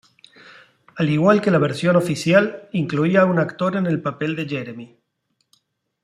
Al igual que la versión oficial, incluía un actor en el papel de Jeremy.